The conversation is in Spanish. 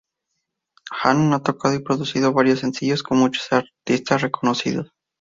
Hannon ha tocado y producido varios sencillos con muchos artistas reconocidos.